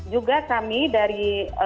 juga kami dari